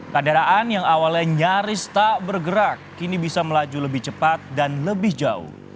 kendaraan yang awalnya nyaris tak bergerak kini bisa melaju lebih cepat dan lebih jauh